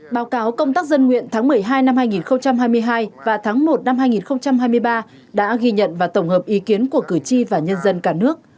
báo cáo công tác dân nguyện tháng một mươi hai năm hai nghìn hai mươi hai và tháng một năm hai nghìn hai mươi ba đã ghi nhận và tổng hợp ý kiến của cử tri và nhân dân cả nước